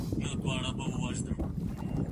برايي مي خوب لیدلی څوک په غوږ کي راته وايي